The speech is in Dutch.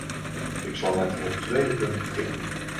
Ik zal met het tweede punt beginnen.